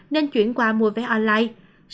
nên chuyển qua mua vé online